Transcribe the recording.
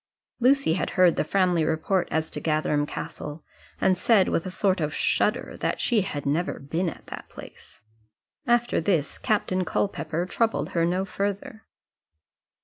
Lucy had heard the Framley report as to Gatherum Castle, and said with a sort of shudder that she had never been at that place. After this, Captain Culpepper troubled her no further.